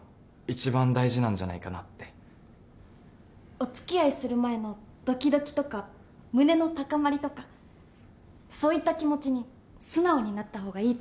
お付き合いする前のドキドキとか胸の高まりとかそういった気持ちに素直になった方がいいと思います。